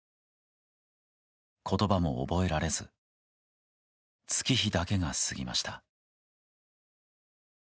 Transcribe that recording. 言葉も覚えられず月日だけが過ぎました。